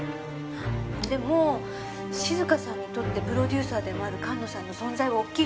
でも静香さんにとってプロデューサーでもある菅野さんの存在は大きいと思うの。